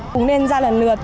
cũng nên ra lần lượt